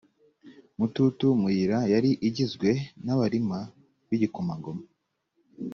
mututu muyira yari igizwe n abarima b igikomangoma